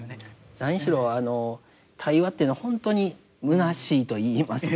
何しろ対話というのはほんとにむなしいと言いますか。